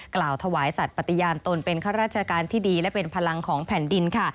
กล่าวถวายสัตว์ปฏิญาณตนเป็นข้าราชการที่ดีและเป็นพลังของแผ่นดินค่ะ